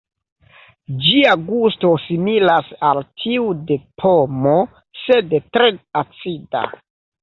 Ĝia gusto similas al tiu de pomo, sed tre acida.